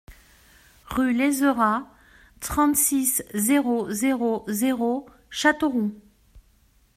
Rue Lézerat, trente-six, zéro zéro zéro Châteauroux